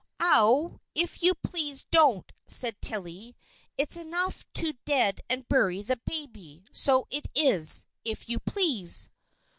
"Ow, if you please, don't!" said Tilly. "It's enough to dead and bury the baby; so it is, if you please."